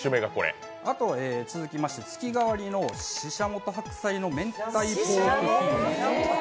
あと、続きまして月替わりのシシャモと白菜の明太ポークキーマ